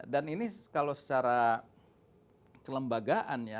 dan ini kalau secara kelembagaan ya